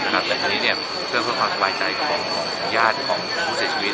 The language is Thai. แต่ทีนี้เพื่อความสบายใจของญาติของผู้เสียชีวิต